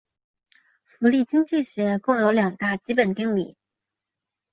福利经济学共有两大基本定理。